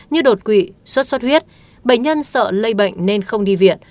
như đột quỵ suất suất huyết bệnh nhân sợ lây bệnh nên không đi viện